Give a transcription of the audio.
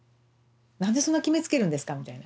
何でそんな決めつけるんですかみたいな。